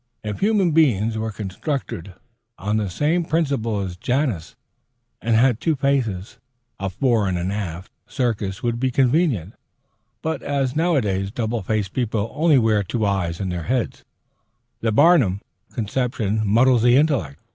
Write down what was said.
If human beings were constructed on the same principles as Janus, and had two faces, a fore and aft circus would be convenient; but as nowadays double faced people only wear two eyes in their heads, the Barnumian conception muddles the intellect.